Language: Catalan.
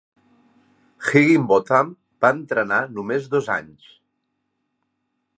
Higginbotham va entrenar només dos anys.